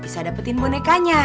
bisa dapetin bonekanya